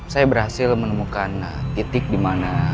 saya berhasil menemukan titik dimana